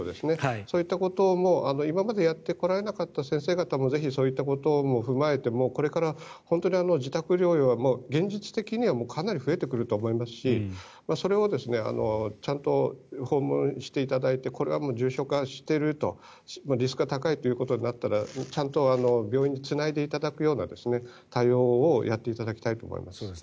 そういったことも今までやってこられなかった先生方もぜひそういったことも踏まえてこれから本当に自宅療養は現実的にはかなり増えてくるとは思いますしそれをちゃんと訪問していただいてこれは重症化しているとリスクが高いということになったらちゃんと病院につないでいただくような対応をやっていただきたいと思います。